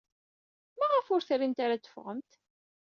Maɣef ur trimt ara ad teffɣemt?